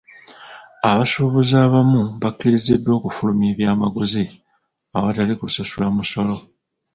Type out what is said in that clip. Abasuubuzi abamu bakkiriziddwa okufulumya ebyamaguzi ewatali kusasula musolo.